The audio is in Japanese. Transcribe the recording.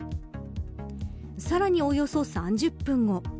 さらに、およそ３０分後。